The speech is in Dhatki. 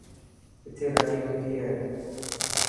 اٿي ڏاڌي مٽي هي.